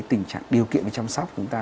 tình trạng điều kiện về chăm sóc của chúng ta